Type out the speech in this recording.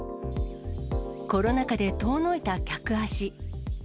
コロナ禍で遠のいた客足。